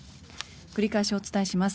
繰り返しお伝えします。